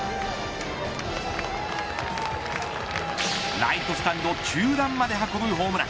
ライトスタンド中段まで運ぶホームラン。